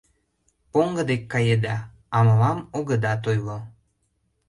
Поҥго дек каеда, а мылам огыдат ойло.